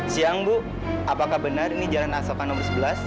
siang bu apakah benar ini jalan asokan nomor sebelas